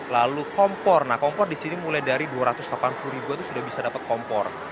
lalu kompor nah kompor di sini mulai dari dua ratus delapan puluh ribuan itu sudah bisa dapat kompor